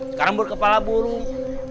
sekarang berkepala burung